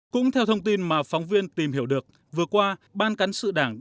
cũng theo thông tin mà phóng viên tìm hiểu được vừa qua ban cán sự đảng